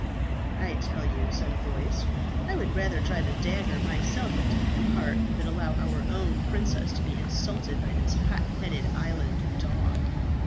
"I tell you," said a voice, "I would rather drive a dagger myself into her heart, than allow our own princess to be insulted by this hot headed island dog."